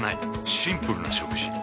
シンプルな食事。